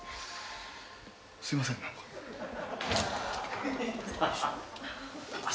すいません何か。